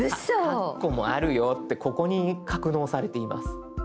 カッコもあるよってここに格納されています。